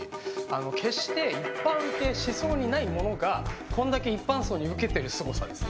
決して一般受けしそうにないものがこれだけ一般層に受けているすごさですね。